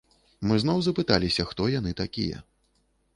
Мы зноў запыталіся, хто яны такія.